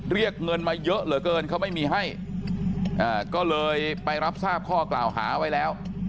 เรียกเงินมาเยอะเหลือเกินเขาไม่มีให้ก็เลยไปรับทราบข้อกล่าวหาไว้แล้ว